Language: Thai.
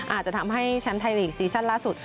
อาจจะทำให้แชมป์ไทยลีกซีซั่นล่าสุด